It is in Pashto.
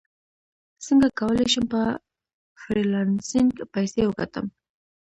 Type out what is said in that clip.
څنګه کولی شم په فریلانسینګ پیسې وګټم